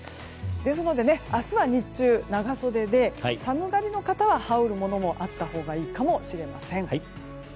ですので、明日は日中長袖で、寒がりの方は羽織るものもあったほうがいいかもしれません。